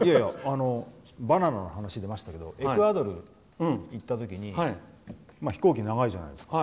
バナナの話出ましたけどエクアドル行ったときに飛行機、長いじゃないですか。